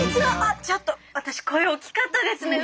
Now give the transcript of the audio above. あちょっと私声大きかったですね